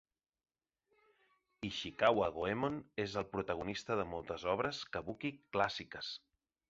Ishikawa Goemon és el protagonista de moltes obres kabuki clàssiques.